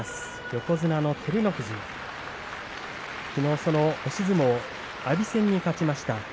横綱の照ノ富士きのう、その押し相撲阿炎戦に勝ちました。